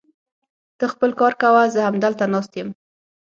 ته خپل کار کوه، زه همدلته ناست يم.